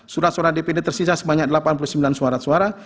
surat suara dpd tersisa sebanyak delapan puluh sembilan suara suara